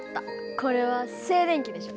これは静電気でしょ。